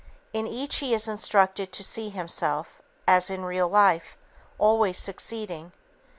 In each he is instructed to see himself 'as in real life' always succeeding.